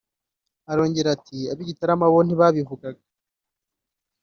Arongera ati “Ab’i Gitarama bo ntibabivugaga